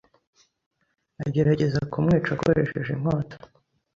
agerageza kumwica akoresheje inkota